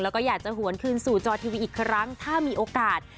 แล้วก็อยากจะหวนคืนสู่จอทีวีอีกครั้งถ้ามีโอกาส